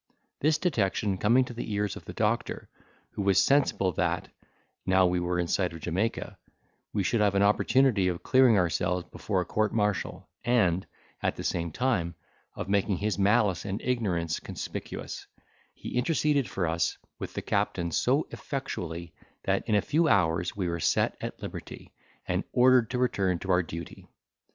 This detection coming to the ears of the doctor, who was sensible that (now we were in sight of Jamaica) we should have an opportunity of clearing ourselves before a court martial, and, at the same time, of making his malice and ignorance conspicuous, he interceded for us with the captain so effectually, that in a few hours we were set at liberty, and ordered to return to our duty.